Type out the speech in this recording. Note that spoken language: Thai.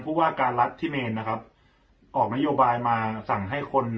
ผู้ว่าการรัฐที่เมนนะครับออกนโยบายมาสั่งให้คน